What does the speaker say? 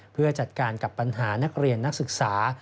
เพื่อจัดการกับปัญหานักเรียนนักศึกษา